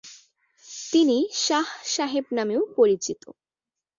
তিনি শাহ সাহেব নামেও পরিচিত।